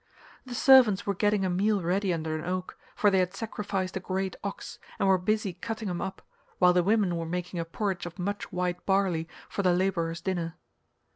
The servants were getting a meal ready under an oak, for they had sacrificed a great ox, and were busy cutting him up, while the women were making a porridge of much white barley for the labourers' dinner.